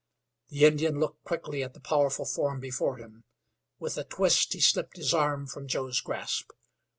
The Indian looked quickly at the powerful form before him. With a twist he slipped his arm from Joe's grasp.